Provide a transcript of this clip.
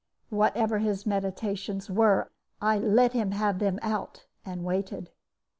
Whatever his meditations were, I let him have them out, and waited.